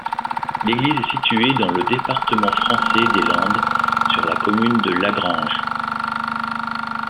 L'église est située dans le département français des Landes, sur la commune de Lagrange.